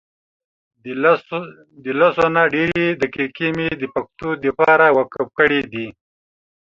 دلسونه ډیري دقیقی مي دپښتو دپاره وقف کړي دي